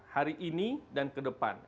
hari ini dan ke depan